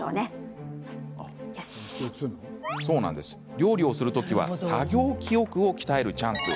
料理をする時は作業記憶を鍛えるチャンス。